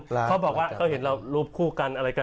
เขาบอกว่าเขาเห็นเรารูปคู่กันอะไรกัน